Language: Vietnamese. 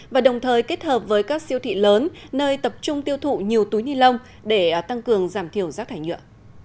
và đồng thời kết hợp với các siêu thị lớn nơi tập trung tiêu thụ nhiều túi ni lông để tăng cường giảm thiểu rác thải nhựa